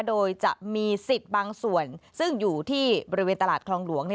โดยจะมีสิทธิ์บางส่วนซึ่งอยู่ที่บริเวณตลาดคลองหลวง